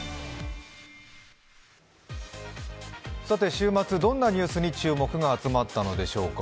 週末どんなニュースに注目が集まったのでしょうか？